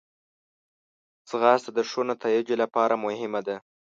ځغاسته د ښو نتایجو لپاره مهمه ده